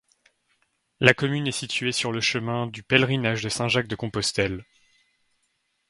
La commune est située sur le chemin du Pèlerinage de Saint-Jacques-de-Compostelle.